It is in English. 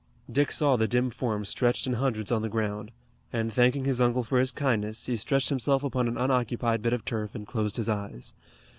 Dick saw the dim forms stretched in hundreds on the ground, and, thanking his uncle for his kindness, he stretched himself upon an unoccupied bit of turf and closed his eyes.